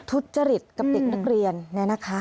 ทุจริตกับเด็กนักเรียนเนี่ยนะคะ